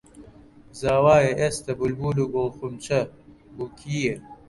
زاوایە ئێستە بولبول و گوڵخونچە بووکییە